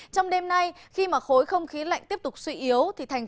trong đêm nay khi mà khối không khí lạnh tiếp tục suy yếu thành